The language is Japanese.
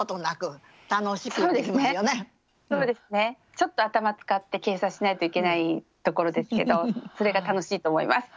ちょっと頭使って計算しないといけないところですけどそれが楽しいと思います。